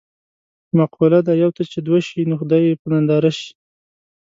مقوله ده: یوه ته چې دوه شي نو خدای یې په ننداره شي.